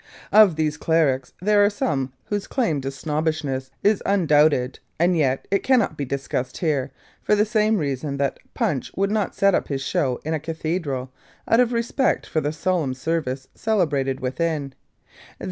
Of these Clerics there are some whose claim to snobbishness is undoubted, and yet it cannot be discussed here; for the same reason that PUNCH would not set up his show in a Cathedral, out of respect for the solemn service celebrated within.